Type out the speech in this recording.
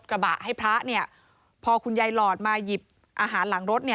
กระบะให้พระเนี่ยพอคุณยายหลอดมาหยิบอาหารหลังรถ